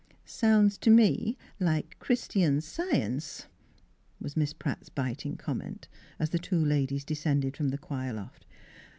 " Sounds to me like Christian Science" was Miss Pratt's biting comment, as the two ladies descended from the choir loft.